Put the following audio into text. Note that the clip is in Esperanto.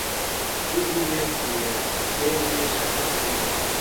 Ĉu vi ne scias, ke mi ne ŝatas vin?